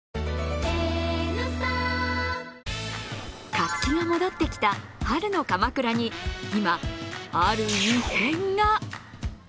活気が戻ってきた春の鎌倉に今、ある異変が。